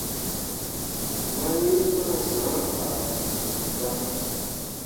Mawin ma sã ah ɗuudeb dan.